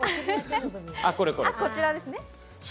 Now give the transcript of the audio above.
こちらです。